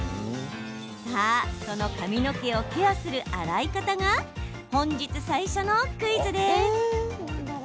さあ、その髪の毛をケアする洗い方が、本日最初のクイズです。